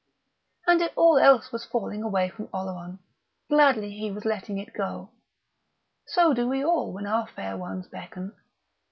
And if all else was falling away from Oleron, gladly he was letting it go. So do we all when our Fair Ones beckon.